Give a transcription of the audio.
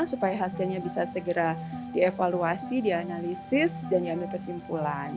supaya hasilnya bisa segera dievaluasi dianalisis dan diambil kesimpulan